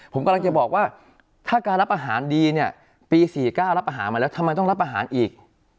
ผมกำลังจะบอกว่าถ้าการรับอาหารดีเนี่ยปี๔๙รับอาหารมาแล้วทำไมต้องรับอาหารอีก